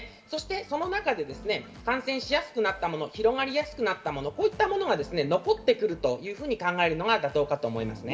その中で感染しやすくなったもの広がりやすくなったもの、こういったものが残ってくるというふうに考えるのが妥当かと思いますね。